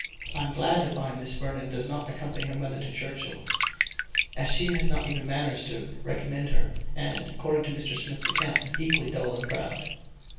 I am glad to find Miss Vernon does not accompany her mother to Churchhill, as she has not even manners to recommend her; and, according to Mr. Smith's account, is equally dull and proud.